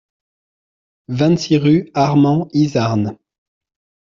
vingt-six rue Armand Izarn